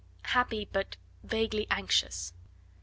Happy, but vaguely anxious.